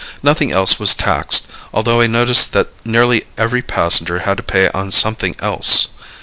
Nothing else was taxed, although I noticed that nearly every passenger had to pay on something else.